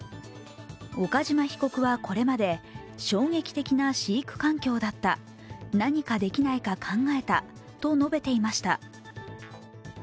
岡島被告はこれまで衝撃的な飼育環境だった何かできないか考えたと述べていました。